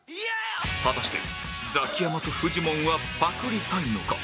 果たしてザキヤマとフジモンはパクりたいのか？